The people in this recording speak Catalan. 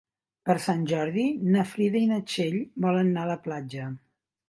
Per Sant Jordi na Frida i na Txell volen anar a la platja.